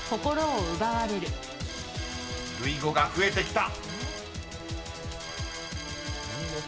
［類語が増えてきた］